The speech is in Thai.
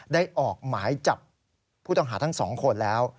ออกหมายจับผู้ต้องหาทั้งสองคนแล้ว